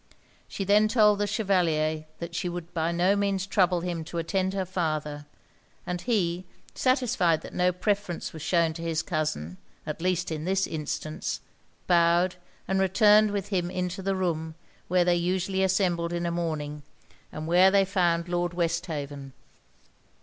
She then told the Chevalier that she would by no means trouble him to attend her farther; and he, satisfied that no preference was shewn to his cousin, at least in this instance, bowed, and returned with him into the room where they usually assembled in a morning, and where they found Lord Westhaven.